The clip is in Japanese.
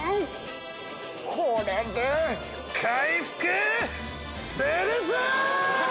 これで回復するぞ！